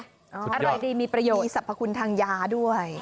อร่อยดีมีประโยชน์มีสรรพคุณทางยาด้วย